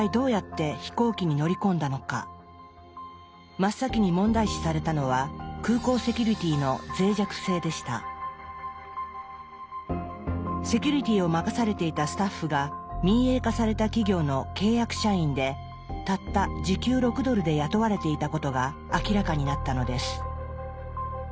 真っ先に問題視されたのはセキュリティを任されていたスタッフが民営化された企業の契約社員でたった時給６ドルで雇われていたことが明らかになったのです。